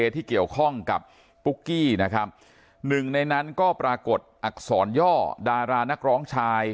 ที่เกี่ยวข้องกับปุ๊กกี้นะครับหนึ่งในนั้นก็ปรากฏอักษรย่อดารานักร้องชาย